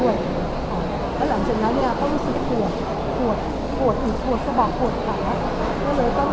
และหลังจากนั้นก็รู้สึกปวดปวดใจปวดปวดสบายปวดขา